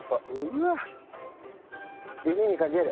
うわっ！で火にかける。